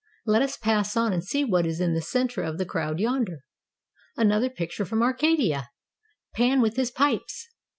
Let us pass on and see what is the center of the crowd yonder. Another picture from Arcadia! Pan with his pipes!